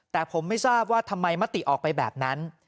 แต่ผมไม่ทราบว่าทำไมมติออกไปแบบนั้น